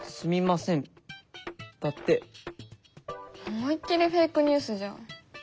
思いっ切りフェイクニュースじゃん。